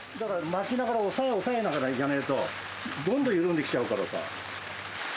巻きながら押さえながらいかねえとどんどん緩んできちゃうからさ。